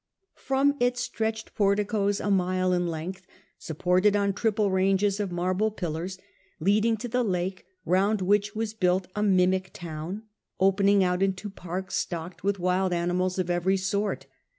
From it stretched porticoes a mile in length, supported on triple ranges of marble pillars, leading to the lake, round which was built a mimic towm, opening out into parks stocked with wild animals of every sort.